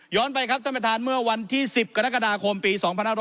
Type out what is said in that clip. ไปครับท่านประธานเมื่อวันที่๑๐กรกฎาคมปี๒๕๖๐